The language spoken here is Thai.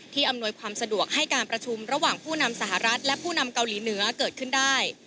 อำนวยความสะดวกให้การประชุมระหว่างผู้นำสหรัฐและผู้นำเกาหลีเหนือเกิดขึ้นได้